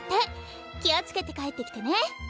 気をつけて帰ってきてね。